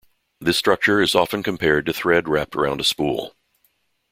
This structure is often compared to thread wrapped around a spool.